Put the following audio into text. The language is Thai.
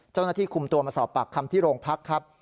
เจ้าหน้าที่คุมตัวมาสอบปากคำที่โรงพักครับ